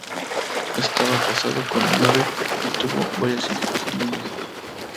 Estaba casado con Merit y tuvo varias hijas y un hijo.